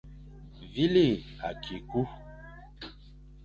Vîle akî ku.